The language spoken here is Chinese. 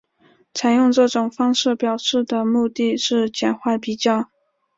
采用这种方式表示的目的是简化比较。